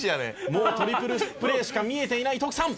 「もうトリプルプレーしか見えていないトクサン」